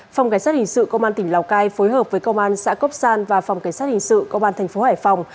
phòng cảnh sát hình sự công an tỉnh lào cai phối hợp với công an xã cốc san và phòng cảnh sát hình sự công an thành phố hải phòng